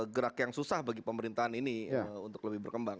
gerak yang susah bagi pemerintahan ini untuk lebih berkembang